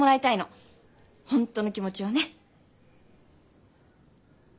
本当の気持ちをね。